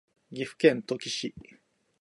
岐阜県土岐市